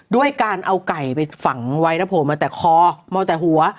ด้วยการเอาก๋่ายไปฝั่งวัยนะครับผมเอาแต่คอดเอาแต่หัว